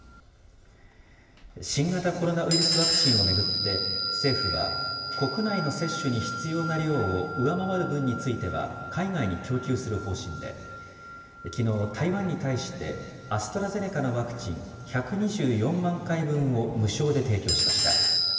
新型コロナウイルスワクチンを巡って、政府は、国内の接種に必要な量を上回る分については、海外に供給する方針で、きのう、台湾に対して、アストラゼネカのワクチン１２４万回分を無償で提供しました。